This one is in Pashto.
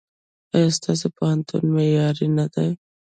ایا ستاسو پوهنتون معیاري نه دی؟